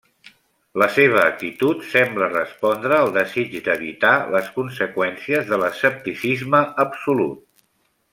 La seva actitud sembla respondre al desig d'evitar les conseqüències de l'escepticisme absolut.